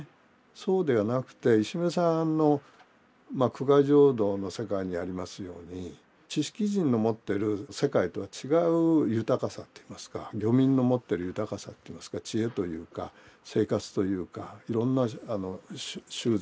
そうではなくて石牟礼さんの「苦海浄土」の世界にありますように知識人の持ってる世界とは違う豊かさといいますか漁民の持ってる豊かさといいますか知恵というか生活というかいろんな習俗とかですね